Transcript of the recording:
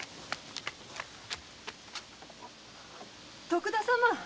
徳田様？